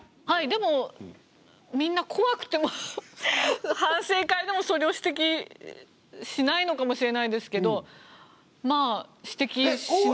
でもみんな怖くて反省会でもそれを指摘しないのかもしれないですけどまあ指摘しないから。